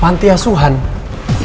pantiasuhan mutiara bunda